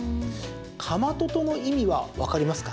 かまととの意味はわかりますか？